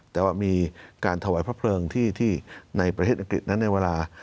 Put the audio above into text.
แต่ว่ามีการถวายพระเพลิงที่ในประเทศอังกฤษนั้นในเวลา